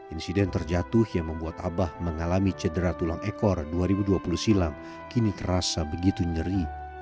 insiden terjatuh yang membuat abah mengalami cedera tulang ekor dua ribu dua puluh silam kini terasa begitu nyeri